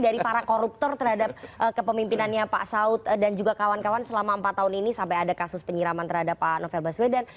dari para koruptor terhadap kepemimpinannya pak saud dan juga kawan kawan selama empat tahun ini sampai ada kasus penyiraman terhadap pak novel baswedan